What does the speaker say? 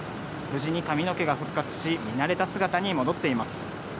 無事に髪の毛が復活し、見慣れた姿に戻っています。